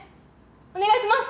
お願いします！